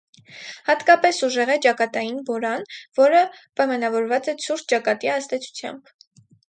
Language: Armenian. Հատկապես ուժեղ է ճակատային բորան, որը պայմանավորված է ցուրտ ճակատի ազդեցությամբ։